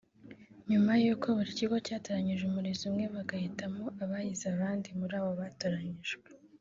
nyuma y’uko buri kigo cyatoranyije umurezi umwe bagahitamo abahize abandi muri abo batoranijwe